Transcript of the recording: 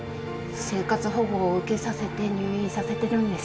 生活保護を受けさせて入院させてるんです